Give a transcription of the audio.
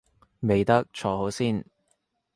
未得，坐好先